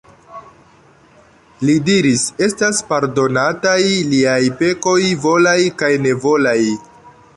Li diris: "Estas pardonataj liaj pekoj volaj kaj nevolaj."